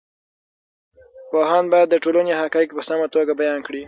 پوهاند باید د ټولنې حقایق په سمه توګه بیان کړي.